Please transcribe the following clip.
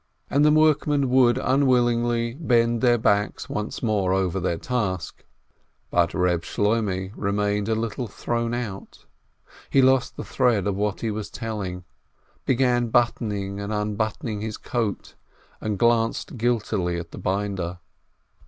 And the workmen would unwillingly bend their backs once more over their task, but Eeb Shloimeh remained a little thrown out. He lost the thread of what he was telling, began buttoning and unbuttoning his coat, and glanced guiltily at the binder.